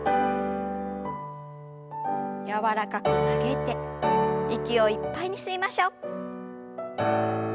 柔らかく曲げて息をいっぱいに吸いましょう。